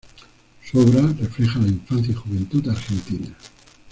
Su obra refleja la infancia y juventud argentina.